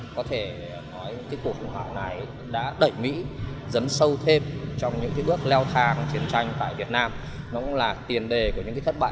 có thể nói cuộc khủng hoảng này đã đẩy mỹ dấn sâu thêm trong những bước leo thang chiến tranh tại việt nam nó cũng là tiền đề của những thất bại của mỹ sau này